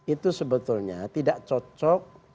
itu sebetulnya tidak cocok